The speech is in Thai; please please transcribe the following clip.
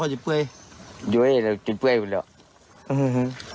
ต้องให้ดวนมอกกล่อจิ๊บเก้า